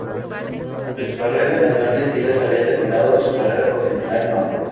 Aunque su carrera en las Grandes Ligas había terminado, su carrera profesional no.